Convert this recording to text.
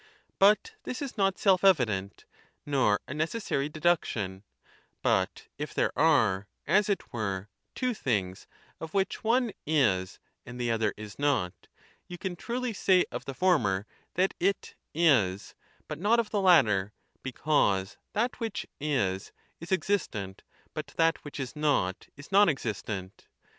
But this is not self evident, nor a necessary deduction ; but if there are, as it were, two things of which one is and the other is not, you can truly say of the former that it is , but not of the latter, because that which is, is existent, but that which is not is non existent.